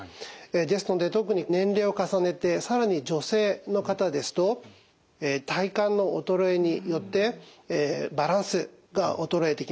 ですので特に年齢を重ねてさらに女性の方ですと体幹の衰えによってバランスが衰えてきます。